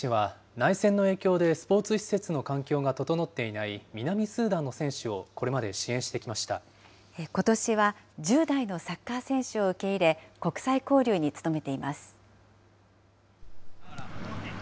群馬県前橋市では、内戦の影響でスポーツ施設の環境が整っていない南スーダンの選手をこれまで支ことしは１０代のサッカー選手を受け入れ、国際交流に努めています。